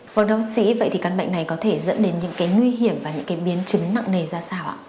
phòng đấu sĩ vậy thì các bệnh này có thể dẫn đến những cái nguy hiểm và những cái biến chứng nặng nề ra sao ạ